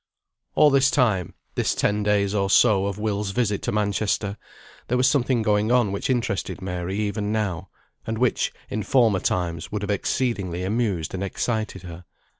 All this time, this ten days or so, of Will's visit to Manchester, there was something going on which interested Mary even now, and which, in former times, would have exceedingly amused and excited her.